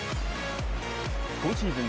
今シーズン